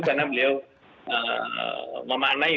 karena beliau memanai